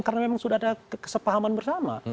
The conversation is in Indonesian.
karena memang sudah ada kesepahaman bersama